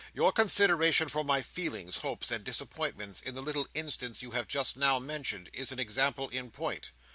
Your consideration for my feelings, hopes, and disappointments, in the little instance you have just now mentioned, is an example in point.